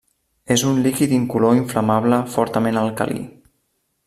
És un líquid incolor inflamable fortament alcalí.